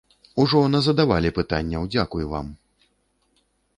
Ужо назадавалі пытанняў, дзякуй вам.